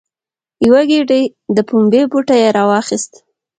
یوه ګېډۍ د پمبې پټی یې راواخیست.